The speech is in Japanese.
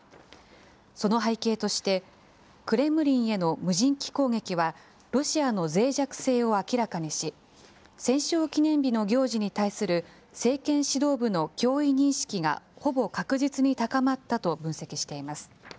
その背景として、クレムリンへの無人機攻撃は、ロシアのぜい弱性を明らかにし、戦勝記念日の行事に対する政権指導部の脅威認識がほぼ確実に高まったと分析しています。